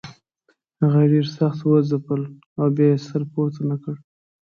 هغه یې ډېر سخت وځپل او بیا یې سر پورته نه کړ.